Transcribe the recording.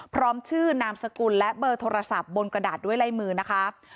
พร้อมชื่อนามสกุลและเบอร์โทรศัพท์บนกระดาษด้วยไล่มือนะคะ